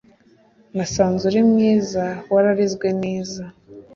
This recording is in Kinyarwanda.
nasanze uri mwiza wararezwe neza